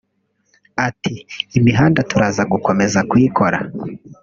Ati “Imihanda turaza gukomeza kuyikora